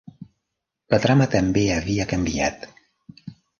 La trama també havia canviat.